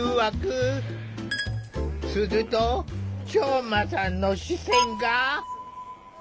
するとショウマさんの視線が。